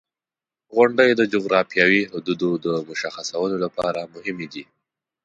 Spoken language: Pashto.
• غونډۍ د جغرافیوي حدودو د مشخصولو لپاره مهمې دي.